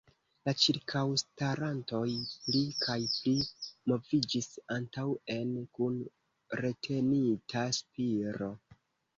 La ĉirkaŭstarantoj pli kaj pli moviĝis antaŭen kun retenita spiro.